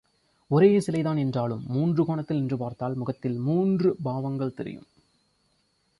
ஒரே சிலைதான் என்றாலும் மூன்று கோணத்தில் நின்று பார்த்தால் முகத்தில் மூன்று பாவங்கள் தெரியும்.